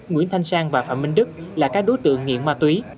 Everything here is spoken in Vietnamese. nguyễn thanh sang và phạm minh đức là các đối tượng nghiện ma túy